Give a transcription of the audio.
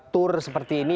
tour seperti ini